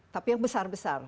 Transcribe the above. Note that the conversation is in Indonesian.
tapi yang besar besar